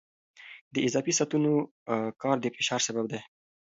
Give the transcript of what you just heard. د اضافي ساعتونو کار د فشار سبب دی.